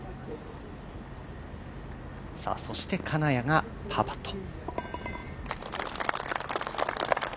そして金谷がパーパット。